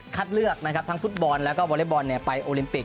คัดเลือกตั้งฟุตบอลวอเล็กบอลและไปโอลิมปิก